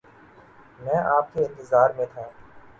میں آپ کے انتظار میں تھا